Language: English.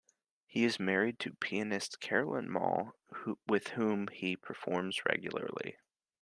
He is married to pianist Carolyn Maule, with whom he performs regularly.